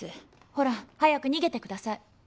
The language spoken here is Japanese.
ほら早く逃げてください。